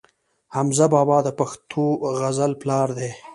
حمزه بابا د پښتو غزل پلار دی.